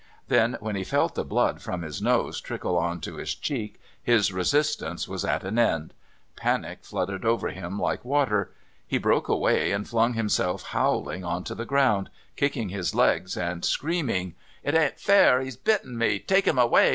Then when he felt the blood from his nose trickle on to his cheek his resistance was at an end; panic flooded over him like water. He broke away and flung himself howling on to the ground, kicking his legs and screaming: "It isn't fair! He's bitten me! Take him away!